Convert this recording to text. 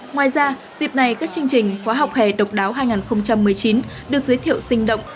ngoài ra dịp này các chương trình khóa học hè độc đáo hai nghìn một mươi chín được giới thiệu sinh động